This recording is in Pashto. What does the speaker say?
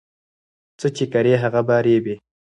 څه چې کري هغه به رېبې